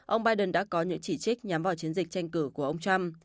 ông biden đã có những chỉ trích nhắm vào chiến dịch tranh cử của ông trump